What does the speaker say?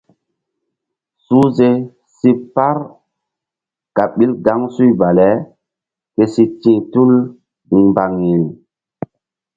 Suhze si par ka̧h ɓil gaŋsuy bale ke si ti̧h tul mbaŋiri.